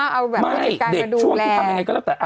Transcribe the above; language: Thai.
เอาแบบผู้จัดการกระดูกแรงไม่เด็กช่วงที่ทำยังไงก็แล้วแต่